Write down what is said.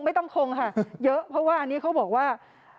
ไม่ต้องคงค่ะเยอะเพราะว่าอันนี้เขาบอกว่า